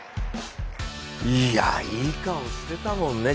いや、いい顔してたもんね